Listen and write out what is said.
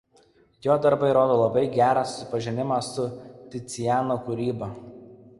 Jo darbai rodo labai gerą susipažinimą su Ticiano kūryba.